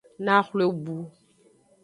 Naxwle bu.